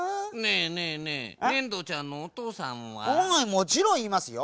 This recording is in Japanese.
もちろんいますよ。